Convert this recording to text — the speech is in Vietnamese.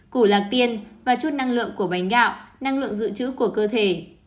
củ lạc tiên và chút năng lượng của bánh gạo năng lượng dự trữ của cơ thể